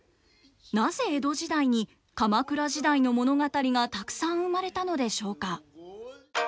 なぜ江戸時代に鎌倉時代の物語がたくさん生まれたのでしょうか。